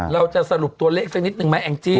เราจะสรุปตัวเลขสักนิดนึงไหมแองจี้